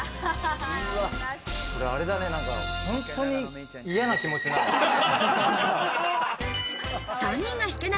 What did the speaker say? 本当に嫌な気持ちになるね。